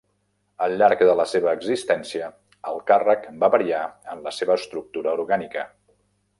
Al llarg de la seva existència el càrrec va variar en la seva estructura orgànica.